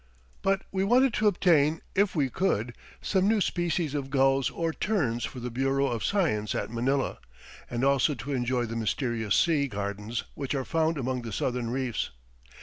But we wanted to obtain, if we could, some new species of gulls or terns for the Bureau of Science at Manila, and also to enjoy the mysterious sea gardens which are found among the southern reefs.